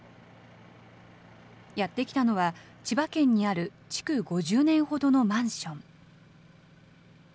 やって来たのは、千葉県にある築５０年ほどのマンション。